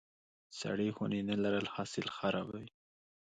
سړې خونې نه لرل حاصل خرابوي.